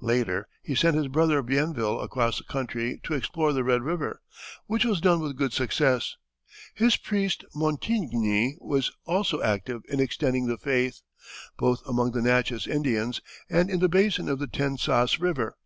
Later he sent his brother Bienville across country to explore the Red River, which was done with good success. His priest Montigny was also active in extending the faith, both among the Natchez Indians and in the basin of the Tensas River.